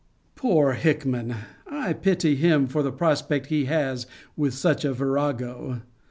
Poor Hickman! I pity him for the prospect he has with such a virago!